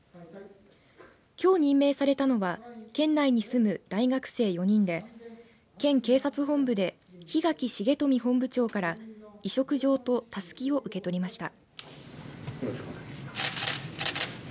きょう任命されたのは県内に住む大学生４人で県警察本部で檜垣重臣本部長から委嘱状とたすきを受け取りました。